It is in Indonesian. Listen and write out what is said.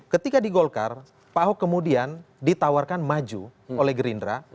ketika di golkar pak ahok kemudian ditawarkan maju oleh gerindra